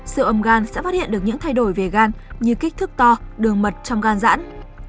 siêu âm gan sẽ phát hiện được những thay đổi về gan như kích thước to đường mật trong gan rãn